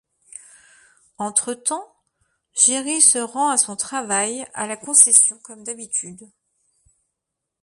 Entre-temps, Jerry se rend à son travail à la concession comme d'habitude.